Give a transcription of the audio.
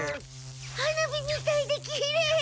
花火みたいできれい！